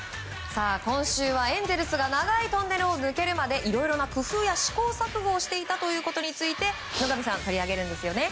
今週はエンゼルスが長いトンネルを抜けるまでいろいろな工夫や試行錯誤をしていたということについて野上さん取り上げるんですよね。